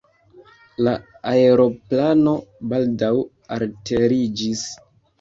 La aeroplano baldaŭ alteriĝis.